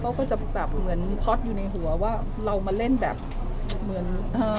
เขาก็จะแบบเหมือนพ็อตอยู่ในหัวว่าเรามาเล่นแบบเหมือนเอ่อ